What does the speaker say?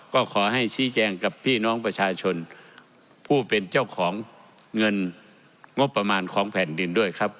ก็ขอให้ชี้แจงกับพี่น้องประชาชนผู้เป็นเจ้าของเงินงบประมาณของแผ่นดินด้วยครับ